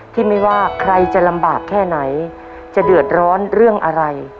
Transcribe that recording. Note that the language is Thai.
ที่ไม่ว่าใครจะลำบากแค่ไหนจะเดือดร้อนเรื่องอะไร